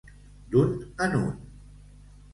D'un en un.